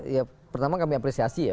ya pertama kami apresiasi ya